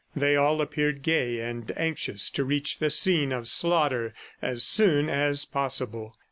They all appeared gay, and anxious to reach the scene of slaughter as soon as possible.